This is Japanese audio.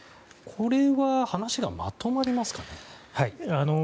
これは話がまとまりますか？